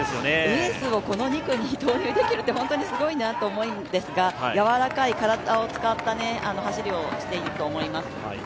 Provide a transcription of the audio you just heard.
エースをこの２区に投入できるって、すごいなと思いますが、やわらかい体を使った走りをしていると思います。